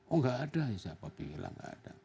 oh gak ada ya siapa bilang